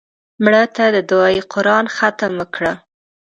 مړه ته د دعایي قرآن ختم وکړه